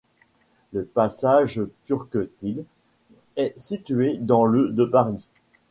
Le passage Turquetil est situé dans le de Paris.